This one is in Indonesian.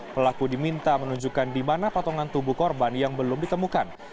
pelaku diminta menunjukkan di mana potongan tubuh korban yang belum ditemukan